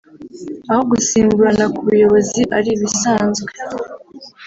aho gusimburana ku buyobozi ari ibisanzwe